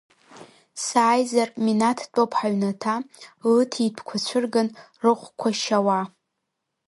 Сааизар, Минаҭ дтәоуп ҳаҩнаҭа, лыҭитәқәа цәырган, рыхәқәа шьауа.